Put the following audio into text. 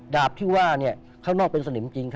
ดาบที่ว่าข้างนอกเป็นสนิมจริง